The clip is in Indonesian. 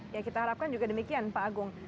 ya kita harapkan juga demikian pak agung